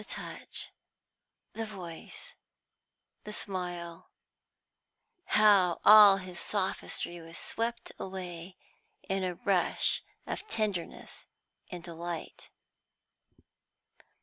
The touch, the voice, the smile, how all his sophistry was swept away in a rush of tenderness and delight!